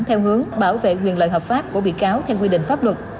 theo hướng bảo vệ quyền lợi hợp pháp của bị cáo theo quy định pháp luật